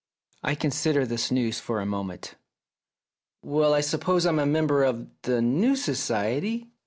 I considered this news for a moment. "Well, I suppose I'm a member of the new society?"